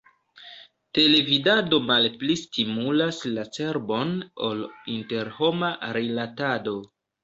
Televidado malpli stimulas la cerbon ol interhoma rilatado!